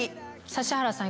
指原さん